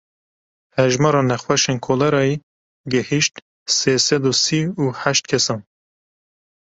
Hejmara nexweşên kolerayê gihişt sê sed û sî û heşt kesan.